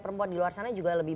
perempuan di luar sana juga lebih